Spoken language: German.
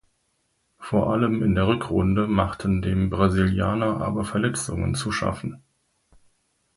Vor allem in der Rückrunde machten dem Brasilianer aber Verletzungen zu schaffen.